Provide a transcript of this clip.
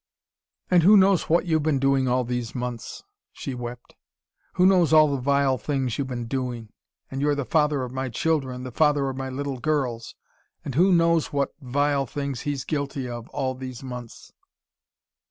"And who knows what you've been doing all these months?" she wept. "Who knows all the vile things you've been doing? And you're the father of my children the father of my little girls and who knows what vile things he's guilty of, all these months?"